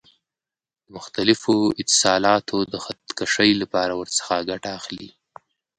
د مختلفو اتصالاتو د خط کشۍ لپاره ورڅخه ګټه اخلي.